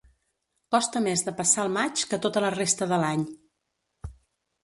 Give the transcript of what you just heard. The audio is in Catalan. Costa més de passar el maig que tota la resta de l'any.